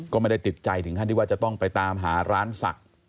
ก็ไม่ได้ติดใจถึงขั้นที่ว่าจะต้องไปตามหาร้านศักดิ์